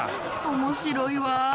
面白いわ。